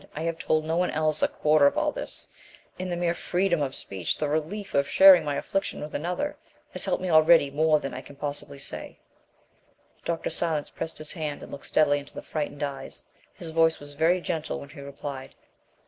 I have told no one else a quarter of all this, and the mere freedom of speech the relief of sharing my affliction with another has helped me already more than I can possibly say." Dr. Silence pressed his hand and looked steadily into the frightened eyes. His voice was very gentle when he replied.